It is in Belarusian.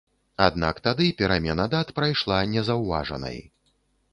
Аднак тады перамена дат прайшла незаўважанай.